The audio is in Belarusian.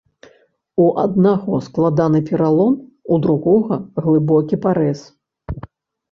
У аднаго складаны пералом, у другога глыбокі парэз.